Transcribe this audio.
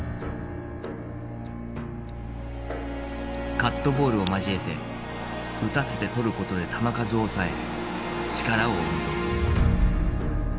カットボールを交えて打たせてとることで球数を抑え力を温存。